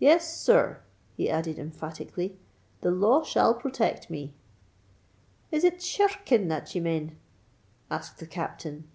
"Yes, sir," he added emphatically, "the law shall protect me." "Is it shir rking that ye mane?" asked the Captain.